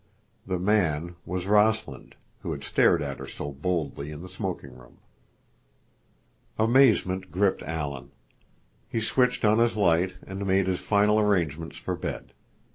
The man was Rossland, who had stared at her so boldly in the smoking room. Amazement gripped Alan. He switched on his light and made his final arrangements for bed.